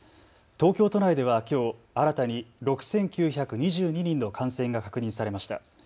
東京都内ではきょう新たに６９２２人の感染が確認されました。